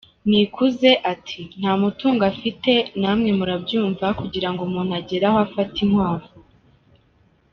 Nikuze ati “Nta mutungo afite, namwe murabyumva kugira ngo umuntu agere aho afata inkwavu.